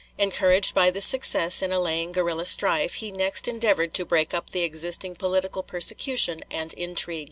Encouraged by this success in allaying guerrilla strife, he next endeavored to break up the existing political persecution and intrigues.